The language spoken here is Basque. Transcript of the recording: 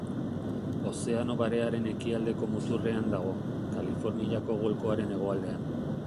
Ozeano Barearen ekialdeko muturrean dago, Kaliforniako golkoaren hegoaldean.